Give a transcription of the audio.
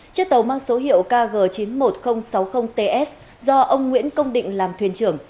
chiếc tàu mang số hiệu kg chín mươi một nghìn sáu mươi ts do ông nguyễn công định làm thuyền trưởng